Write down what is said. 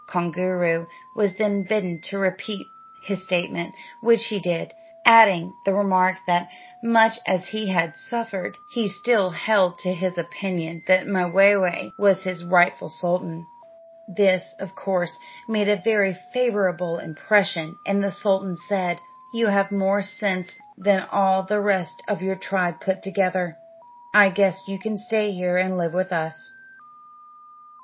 Koongooroo was then bidden to repeat his statement, which he did, adding the remark that, much as he had suffered, he still held to his opinion that Mwayway was his rightful sultan. This, of course, made a very favorable impression, and the sultan said, "You have more sense than all the rest of your tribe put together; I guess you can stay here and live with us."